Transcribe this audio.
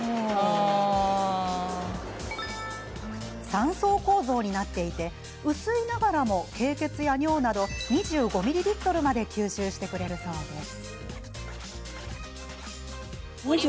３層構造になっていて薄いながらも経血や尿など２５ミリリットルまで吸収してくれるそうです。